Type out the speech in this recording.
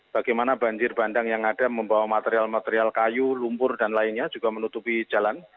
bagaimana banjir bandang yang ada membawa material material kayu lumpur dan lainnya juga menutupi jalan